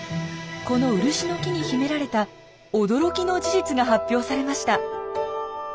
この漆の木に秘められた驚きの事実が発表されました。